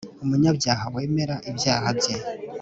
umunyabyaha wemera ibyaha bye,